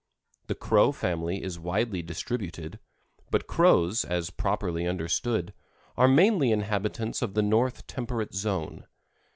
The Crow family is widely distributed, but Crows, as properly understood, are mainly inhabitants of the north temperate zone.